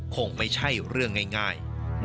คงไม่ใช่เรื่องง่าย